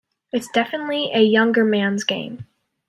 It's definitely a younger man's game.